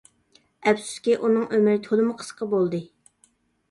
ئەپسۇسكى ئۇنىڭ ئۆمرى تولىمۇ قىسقا بولدى.